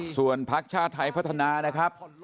ส่วนพักชาติไทยพัฒนานะครับ